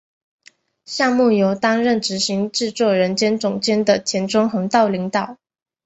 项目由担任执行制作人兼总监的田中弘道领导。